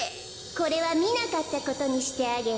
これはみなかったことにしてあげる。